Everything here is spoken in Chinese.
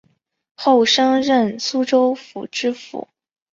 后升任苏州府知府